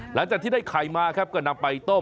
หลังจากที่ได้ไข่มาครับก็นำไปต้ม